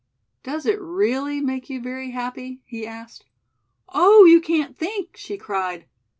"Does it really make you very happy?" he asked. "Oh, you can't think!" she cried.